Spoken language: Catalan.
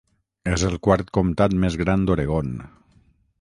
És el quart comtat més gran d'Oregon.